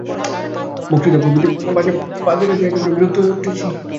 বক্তৃতা প্রভৃতি বাজে কাজে একেবারে বিরক্ত হয়ে উঠেছি।